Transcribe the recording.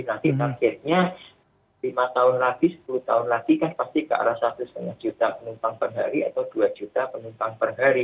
nanti targetnya lima tahun lagi sepuluh tahun lagi kan pasti ke arah satu lima juta penumpang per hari atau dua juta penumpang per hari